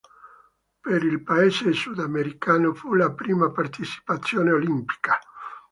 Per il paese sudamericano fu la prima partecipazione olimpica.